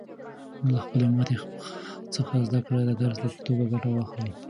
له خپلې ماتې څخه د زده کړې د درس په توګه ګټه واخلئ.